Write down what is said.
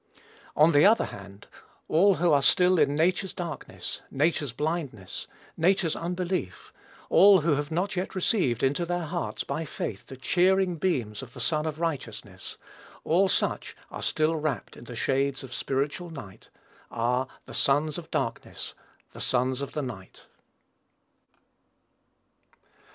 On the other hand, all who are still in nature's darkness, nature's blindness, nature's unbelief, all who have not yet received into their hearts, by faith, the cheering beams of the Sun of righteousness, all such are still wrapped in the shades of spiritual night, are "the sons of darkness," "the sons of the night."